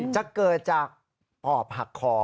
จะเกิดจากปอบหักคอ